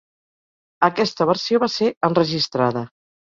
Aquesta versió va ser enregistrada.